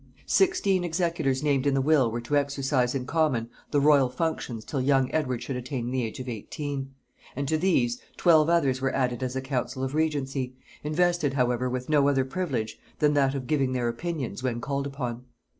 Sixteen executors named in the will were to exercise in common the royal functions till young Edward should attain the age of eighteen; and to these, twelve others were added as a council of regency, invested however with no other privilege than that of giving their opinions when called upon.